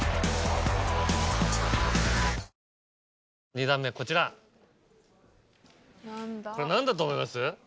２段目こちらこれ何だと思います？